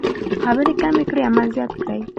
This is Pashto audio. خبرې کمې کړئ عمل زیات کړئ.